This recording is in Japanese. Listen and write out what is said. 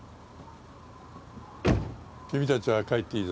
君たちは帰っていいぞ。